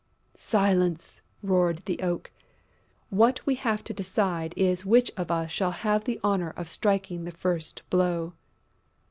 "Silence!" roared the Oak. "What we have to decide is which of us shall have the honour of striking the first blow!"